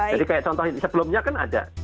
jadi kayak contoh sebelumnya kan ada